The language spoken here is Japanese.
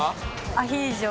アヒージョ。